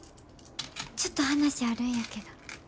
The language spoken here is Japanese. ちょっと話あるんやけど。